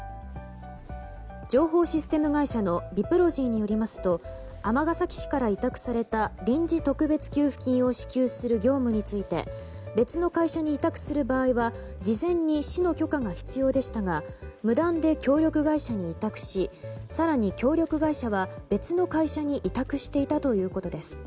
情報システム会社のＢＩＰＲＯＧＹによりますと尼崎市から委託された臨時特別給付金を支給する業務について別の会社に委託する場合は事前に市の許可が必要でしたが無断で協力会社に委託し更に、協力会社は別の会社に委託していたということです。